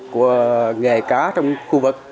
của nghề cá trong khu vực